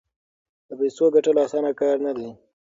د پیسو ګټل اسانه کار نه دی.